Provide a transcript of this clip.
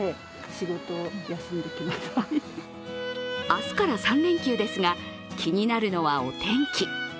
明日から３連休ですが気になるのはお天気。